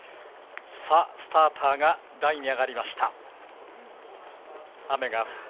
スターターが台に上がりました。